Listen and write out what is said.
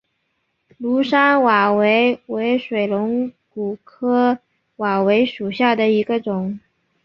庐山瓦韦为水龙骨科瓦韦属下的一个种。